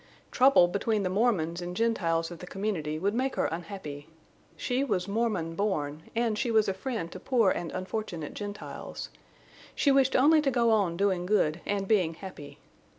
Trouble between the Mormons and the Gentiles of the community would make her unhappy. She was Mormon born, and she was a friend to poor and unfortunate Gentiles. She wished only to go on doing good and being happy.